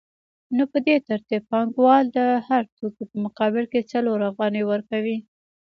نو په دې ترتیب پانګوال د هر توکي په مقابل کې څلور افغانۍ ورکوي